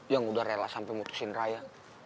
yang udah rela sampai mutusin raya